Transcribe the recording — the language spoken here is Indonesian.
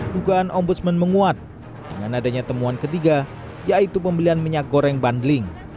dugaan ombudsman menguat dengan adanya temuan ketiga yaitu pembelian minyak goreng bundling